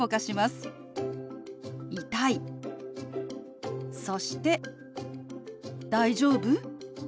そして「大丈夫？」。